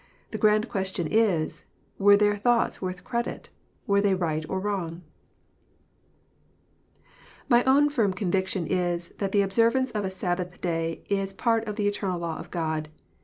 The grand question is, " Were their thoughts worth credit ? were they right or wrong ?" My own firm conviction is, that the observance of a Sabbath Day is part of the eternal law of God.